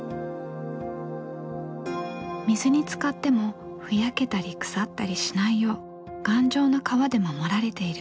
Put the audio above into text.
水につかってもふやけたり腐ったりしないよう頑丈な皮で守られている。